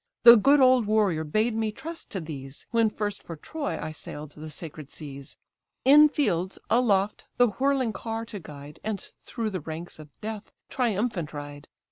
The good old warrior bade me trust to these, When first for Troy I sail'd the sacred seas; In fields, aloft, the whirling car to guide, And through the ranks of death triumphant ride.